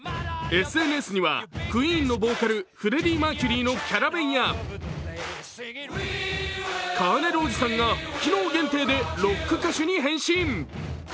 ＳＮＳにはＱＵＥＥＮのボーカル、フレディー・マーキュリーのキャラ弁や、カーネルおじさんが昨日限定でロック歌手に変身。